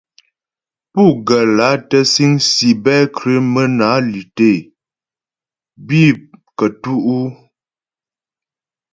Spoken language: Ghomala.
Pú ghə́ lǎ tə́ síŋ cybercriminalité bǐ kətú' ?